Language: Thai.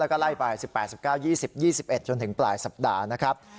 แล้วก็ไล่ไป๑๘๑๙๒๐๒๑จนถึงปลายสัปดาห์นะครับ